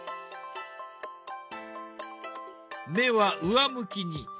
目は上向きに。